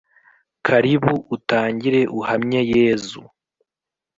karibu utangire uhamye yezu